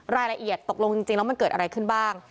รายละเอียดตกลงจริงแล้วมันเกิดอะไรขึ้นบ้าง